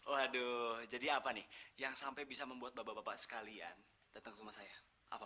waduh jadi apa nih yang sampai bisa membuat bapak bapak sekalian datang ke rumah saya